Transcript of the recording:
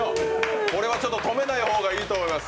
止めない方がいいと思います。